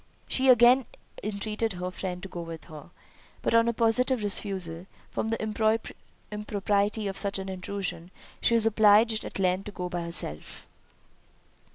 She again entreated her friend to go with her; but on a positive refusal, from the impropriety of such an intrusion, she was obliged at length to go by herself.